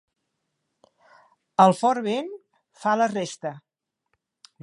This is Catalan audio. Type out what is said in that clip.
El fort vent fa la resta.